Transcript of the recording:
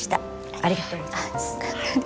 ありがとうございます。